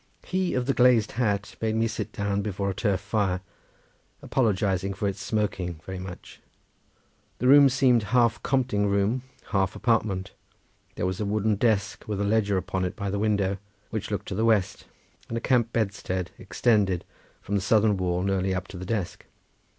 He of the glazed hat made me sit down before a turf fire, apologising for its smoking very much. The room seemed half compting room, half apartment. There was a wooden desk with a ledger upon it by the window which looked to the west, and a camp bedstead extended from the southern wall nearly up to the desk.